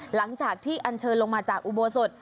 หลังจากที่อันเชิญลงมาจากอุโบสถ